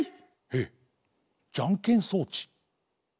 えっじゃんけん装置？